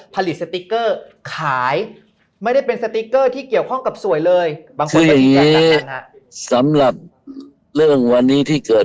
ผลิตขายไม่ได้เป็นที่เกี่ยวข้องกับสวยเลยบางคนสำหรับเรื่องวันนี้ที่เกิด